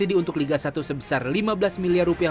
ini kita berdoa